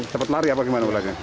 cepat lari apa gimana bolanya